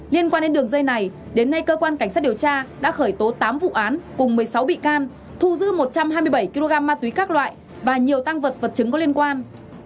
liên quan đến đường dây này đến nay cơ quan cảnh sát điều tra đã khởi tố tám vụ án cùng một mươi sáu bị can thu giữ một trăm hai mươi bảy kg ma túy các loại và nhiều tăng vật vật chứng có liên quan